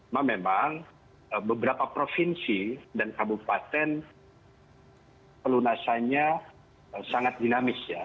memang beberapa provinsi dan kabupaten perlunasannya sangat dinamis